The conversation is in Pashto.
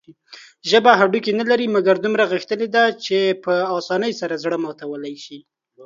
ژبه هډوکي نلري، مګر دومره غښتلي ده چې په اسانۍ سره زړه ماتولى شي.